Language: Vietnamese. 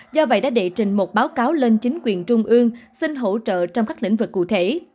do vậy đã đệ trình một báo cáo lên chính quyền trung ương xin hỗ trợ trong các lĩnh vực cụ thể